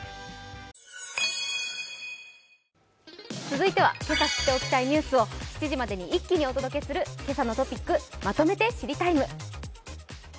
続いてはけさ知っておきたいニュースを７時までに一気にお届けする今朝のトピックまとめて「知りＴＩＭＥ，」。